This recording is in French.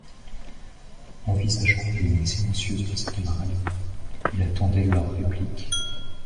Envisageant les mines silencieuses de ses camarades, il attendait leur réplique.